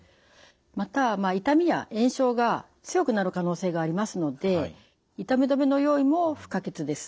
また痛みや炎症が強くなる可能性がありますので痛み止めの用意も不可欠です。